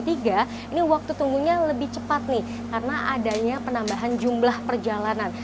ini waktu tunggunya lebih cepat nih karena adanya penambahan jumlah perjalanan